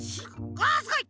あすごい！